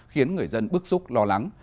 khiến người dân bức xúc lo lắng